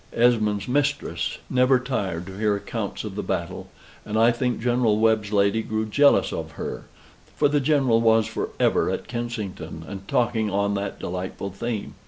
Esmond's mistress never tired to hear accounts of the battle; and I think General Webb's lady grew jealous of her, for the General was for ever at Kensington, and talking on that delightful theme.